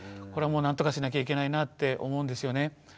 これはもうなんとかしなきゃいけないなって思うんですよね。